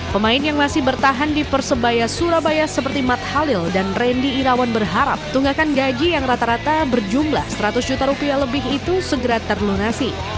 pemain yang masih bertahan di persebaya surabaya seperti matt halil dan randy irawan berharap tunggakan gaji yang rata rata berjumlah seratus juta rupiah lebih itu segera terlunasi